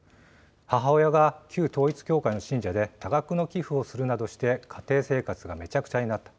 母親が旧統一教会の信者で、多額の寄付をするなどして家庭生活がめちゃくちゃになった。